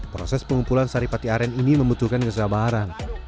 proses pengumpulan sari pati aren ini membutuhkan kesabaran